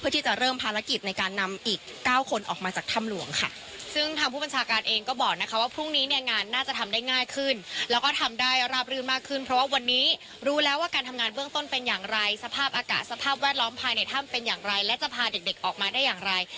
ทำได้ง่ายขึ้นแล้วก็ทำได้ระบรืนมากขึ้นเพราะว่าวันนี้รู้แล้วว่าการทำงานเบื้องต้นเป็นอย่างไรสภาพอากาศสภาพแวดล้อมภายในถ้ำเป็นอย่างไรและจะพาเด็กเด็กออกมาได้อย่างไร